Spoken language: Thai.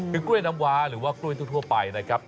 คือกล้วยน้ำว้าหรือว่ากล้วยทั่วไปนะครับ